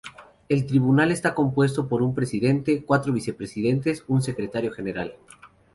El Tribunal está compuesto por un Presidente, cuatro vicepresidentes, un secretario general.